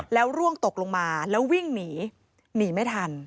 แล้วร่วงตกลงมาแล้ววิ่งหนีหนีไม่ทัน